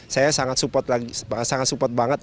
saya sangat support banget ya atas dukungan ini